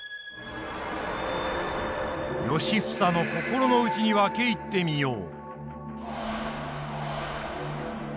良房の心の内に分け入ってみよう。